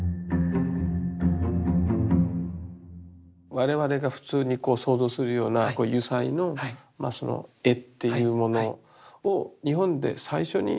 我々が普通に想像するような油彩のその絵っていうものを日本で最初にまあ描いた。